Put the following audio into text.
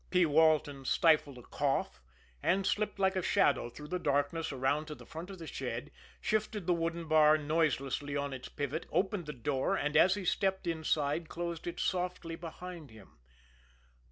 P. Walton stifled a cough, and slipped like a shadow through the darkness around to the front of the shed, shifted the wooden bar noiselessly on its pivot, opened the door, and, as he stepped inside, closed it softly behind him.